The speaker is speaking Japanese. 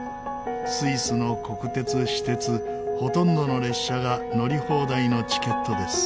スイスの国鉄私鉄ほとんどの列車が乗り放題のチケットです。